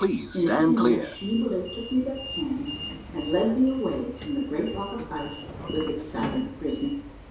In a few moments Sclineeboule took me by the hand and led me away from the great block of ice with its silent prisoner.